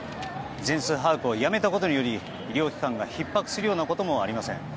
全数把握をやめたことにより医療機関がひっ迫するようなこともありません。